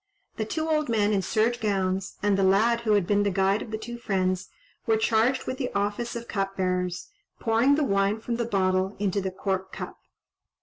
The two old men in serge gowns, and the lad who had been the guide of the two friends, were charged with the office of cupbearers, pouring the wine from the bottle into the cork cup.